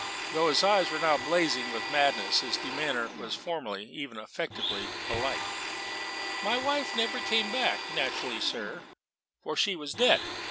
Though his eyes were now blazing with madness, his demeanour was formally, even affectedly, polite. "My wife never came back: naturally, sir for she was dead."